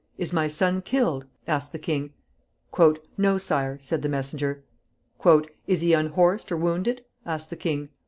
"Is my son killed?" asked the king. "No, sire," said the messenger. "Is he unhorsed or wounded?" asked the king.